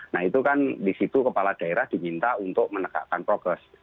nah itu kan di situ kepala daerah diminta untuk menegakkan progres